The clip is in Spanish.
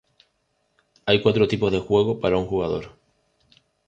Hay cuatro tipos de Juego para Un Jugador.